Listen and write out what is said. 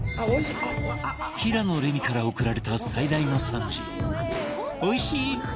平野レミから贈られた最大の賛辞